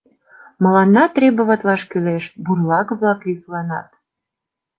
— Мыланна требоватлаш кӱлеш, — бурлак-влак йӱкланат.